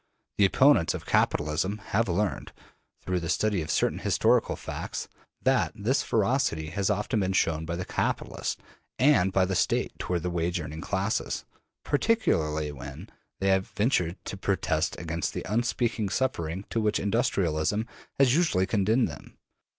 The opponents of capitalism have learned, through the study of certain historical facts, that this ferocity has often been shown by the capitalists and by the State toward the wage earning classes, particularly when they have ventured to protest against the unspeakable suffering to which industrialism has usually condemned them.